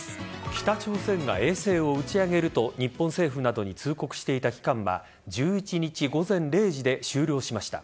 北朝鮮が衛星を打ち上げると日本政府などに通告していた期間は１１日午前０時で終了しました。